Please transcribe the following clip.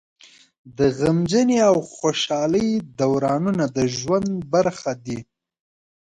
د غمجنۍ او خوشحالۍ دورانونه د ژوند برخه دي.